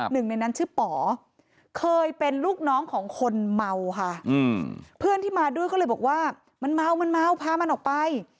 หนึ่งในนั้นชื่อป๋อเคยเป็นลูกน้องของคนเมาค่ะเพื่อนที่มาด้วยก็เลยบอกว่ามันเมามันเมาพามันออกไป